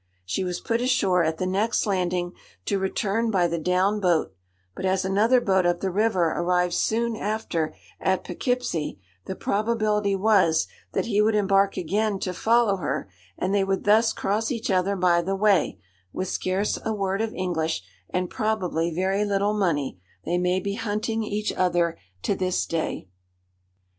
She was put ashore at the next landing to return by the "down boat;" but as another boat up the river arrived soon after at Poughkeepsie, the probability was, that he would embark again to follow her, and they would thus cross each other by the way; with scarce a word of English, and probably very little money, they may be hunting each other to this day.